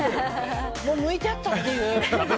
もうむいてあったっていう。